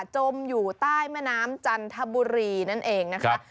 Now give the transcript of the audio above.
จมอยู่ใต้แม่น้ำจันทบุรีนั่นเองนะคะ